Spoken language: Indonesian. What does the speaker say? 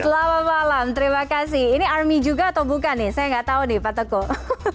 selamat malam terima kasih ini army juga atau bukan nih saya nggak tahu nih pak teguh